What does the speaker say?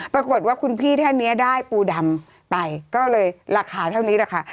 ปรากฏว่าคุณพี่ท่านเนี้ยได้ปูดำไปก็เลยราคาเท่านี้แหละค่ะ